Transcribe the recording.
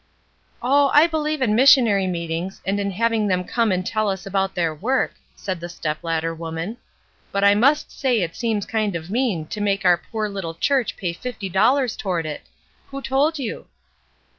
"Oh, I believe in misaonary meetings and in having them come and tell us about their work," said the step ladder woman. "But I must'say it seems kind of mean to make our poor Uttle church pay fifty dollars toward it. Who told you?"